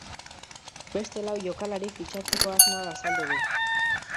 Beste lau jokalari fitxatzeko asmoa azaldu du.